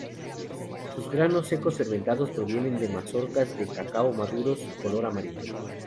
Sus granos secos fermentados provienen de mazorcas de cacao maduros color amarillo.